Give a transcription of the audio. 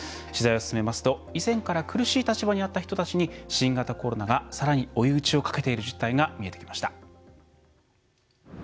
取材を進めますと以前から苦しい立場にあった人たちに新型コロナがさらに追い打ちをかけている実態が見えてきました。